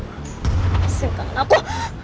masih kangen aku